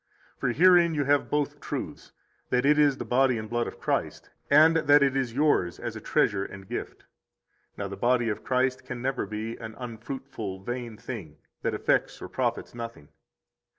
For herein you have both truths, that it is the body and blood of Christ, and that it is yours as a treasure and gift. 30 Now the body of Christ can never be an unfruitful, vain thing, that effects or profits nothing.